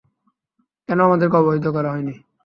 কেন আমাদেরকে অবহিত করা হয়নি?